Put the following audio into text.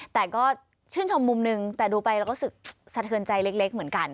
แต่ก็ชื่นชมมุมหนึ่งแต่ดูไปแล้วก็สะเทินใจเล็กเหมือนกัน